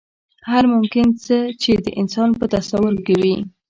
هر ممکن څه چې د انسان په تصور کې وي.